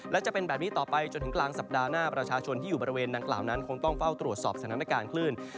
และจะเป็นแบบนี้ต่อไปจนถึงกลางสัปดาห์หน้าประชาชนที่อยู่บริเวณดังกล่าวนั้นคงต้องเฝ้าตรวจสอบสถานการณ์คลื่น